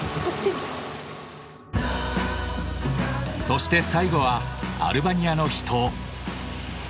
そして最後はアルバニアの秘湯。